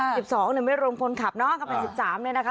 สิบสองเนี่ยไม่รวมคนขับเนาะก็เป็นสิบสามเนี่ยนะคะ